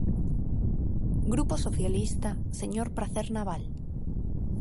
Grupo Socialista, señor Pracer Nabal.